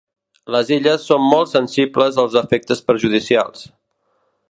Les illes són molt sensibles als efectes perjudicials.